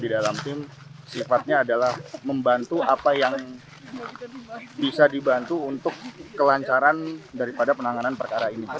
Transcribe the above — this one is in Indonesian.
di dalam tim sifatnya adalah membantu apa yang bisa dibantu untuk kelancaran daripada penanganan perkara ini